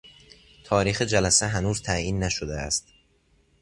تاریخ جلسه هنوز تعیین نشده است.